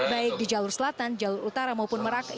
baik di jalur selatan jalur utara maupun merak